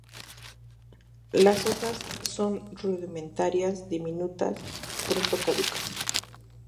Las hojas son rudimentarias, diminutas, pronto caducas.